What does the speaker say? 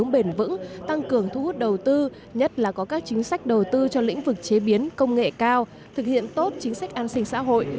để tập trung thu hút đầu tư nhất là có các chính sách đầu tư cho lĩnh vực chế biến công nghệ cao thực hiện tốt chính sách an sinh xã hội